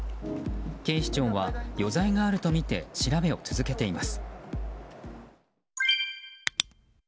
警視庁は余罪があるとみて調べを続けています。